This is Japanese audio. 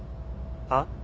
はっ？